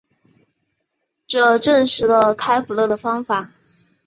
这证实了开普勒的方法。